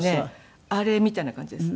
あれみたいな感じです。